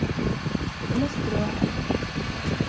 Det måste du ha hört.